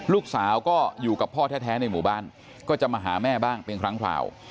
ลูกสาวก็อยู่กับพ่อแท้ในหมู่บ้านก็จะมาหาแม่บ้างเป็นครั้งคราว